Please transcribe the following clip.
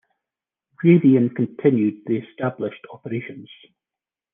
Raytheon continued the established operations.